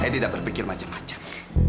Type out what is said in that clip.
saya tidak berpikir macam macam